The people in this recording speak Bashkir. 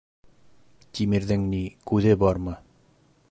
Тимерҙең ни, күҙе бармы?